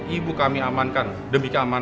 ibu kami amankan demi keamanan